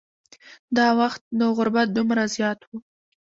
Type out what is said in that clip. دا وخت نو غربت دومره زیات و.